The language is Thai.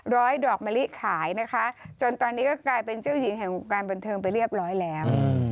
ร้อยดอกมะลิขายนะคะจนตอนนี้ก็กลายเป็นเจ้าหญิงแห่งวงการบันเทิงไปเรียบร้อยแล้ว